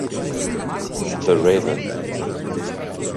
The Raven